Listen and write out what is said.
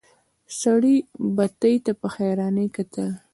سړي بتۍ ته په حيرانی کتل.